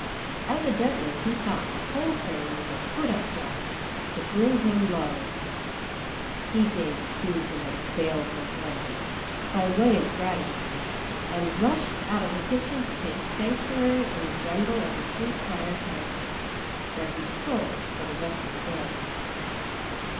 Evidently he thought the whole thing was a put up job to bring him low. He gave Susan a baleful glance by way of gratitude and rushed out of the kitchen to take sanctuary in the jungle of the sweet briar hedge, where he sulked for the rest of the day.